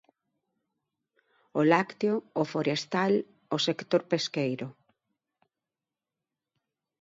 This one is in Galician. O lácteo, o forestal, o sector pesqueiro.